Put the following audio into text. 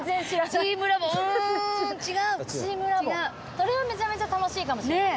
それはめちゃめちゃ楽しいかもしれない。